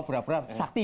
oh pura pura sakti